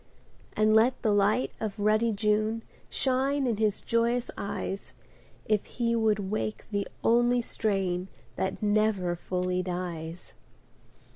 And let the light of ruddy June Shine in his joyous eyes. If he would wake the only strain That never fully dies